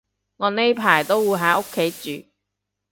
我呢排都會喺屋企住